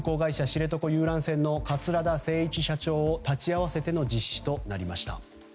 知床遊覧船の桂田精一社長を立ち合わせての実施となりました。